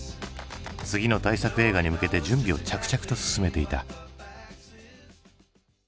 次の大作映画に向けて準備を着々と進めていた。